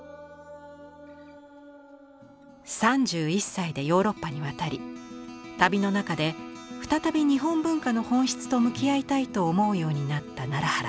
３１歳でヨーロッパに渡り旅の中で再び日本文化の本質と向き合いたいと思うようになった奈良原。